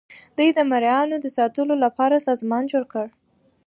دوی د مرئیانو د ساتلو لپاره سازمان جوړ کړ.